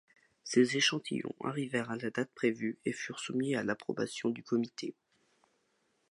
Ces échantillons arrivèrent à la date prévue, et furent soumis à l'approbation du comité.